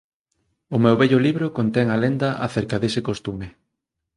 O meu vello libro contén a lenda acerca dese costume